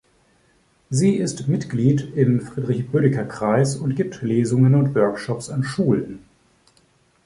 Sie ist Mitglied im Friedrich-Bödecker-Kreis und gibt Lesungen und Workshops an Schulen.